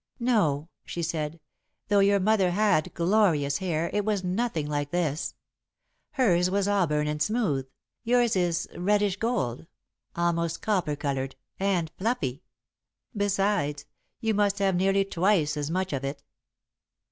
"No," she said, "though your mother had glorious hair, it was nothing like this. Hers was auburn and smooth, yours is reddish gold almost copper coloured and fluffy. Besides, you must have nearly twice as much of it."